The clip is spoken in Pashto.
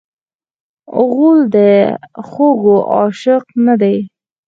غول د خوږو عاشق نه دی.